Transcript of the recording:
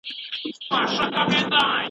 څېړنه د انسان د علمي هڅو ښکارندويي کوي.